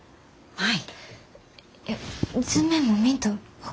はい。